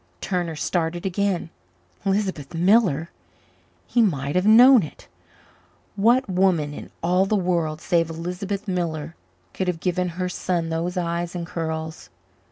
Turner started again. Lisbeth Miller! He might have known it. What woman in all the world save Lisbeth Miller could have given her son those eyes and curls?